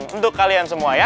untuk kalian semua ya